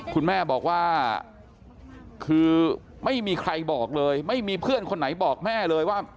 คุณแม่บอกว่าคือไม่มีใครบอกเลยไม่มีเพื่อนคนไหนบอกแม่เลยว่า